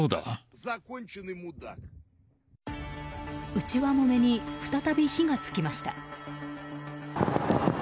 内輪もめに再び火が付きました。